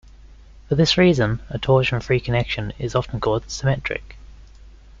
For this reason a torsion-free connection is often called 'symmetric'.